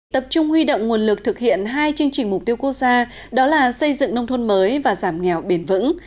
tập trung huy động nguồn lực thực hiện hai chương trình mục tiêu quốc gia đó là xây dựng nông thôn mới và giảm nghèo bền vững